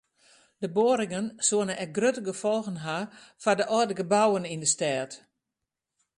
De boarringen soene ek grutte gefolgen ha foar de âlde gebouwen yn de stêd.